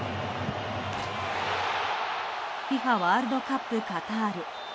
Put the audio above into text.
ＦＩＦＡワールドカップカタール。